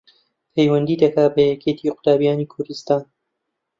پەیوەندی دەکا بە یەکێتی قوتابیانی کوردستان